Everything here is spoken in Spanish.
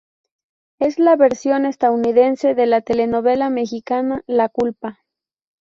Es la versión estadounidense de la telenovela mexicana La culpa.